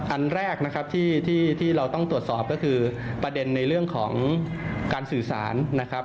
อันแรกนะครับที่เราต้องตรวจสอบก็คือประเด็นในเรื่องของการสื่อสารนะครับ